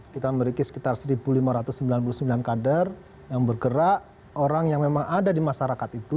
kita memiliki sekitar satu lima ratus sembilan puluh sembilan kader yang bergerak orang yang memang ada di masyarakat itu